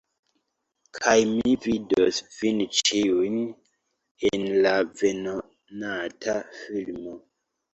Kaj mi vidos vin ĉiujn en la venonata filmo.